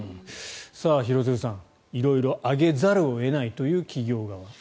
廣津留さん、色々上げざるを得ないという企業側。